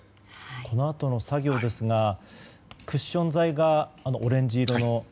このあとの作業ですがクッション材がオレンジ色の。